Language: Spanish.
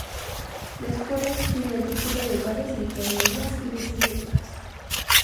La escuela expide el título de varias ingenierías y licenciaturas.